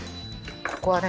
ここはね